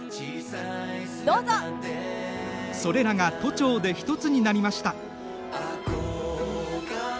それらが都庁でひとつになりました。